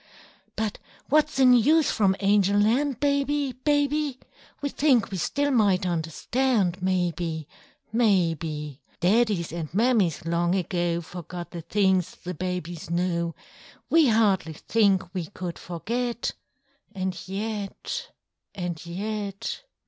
"But what's the news from Angel Land, Baby, Baby? We think we still might understand, Maybe, maybe! Daddies and Mammies long ago Forgot the things the babies know; We hardly think we could forget, And yet—and yet!"